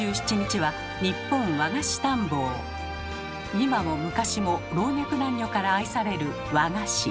今も昔も老若男女から愛される和菓子。